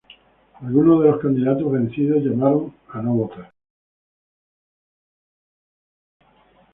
Algunos de los candidatos vencidos llamaron a no votar.